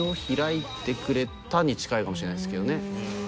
に近いかもしれないですけどね。